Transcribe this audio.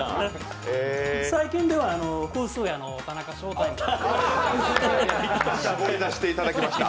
最近ではフースーヤの田中ショータイム絞り出していただきました。